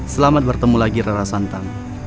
selamat bertemu lagi rara santa